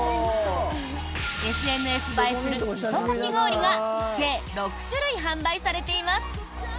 ＳＮＳ映えする糸かき氷が計６種類、販売されています。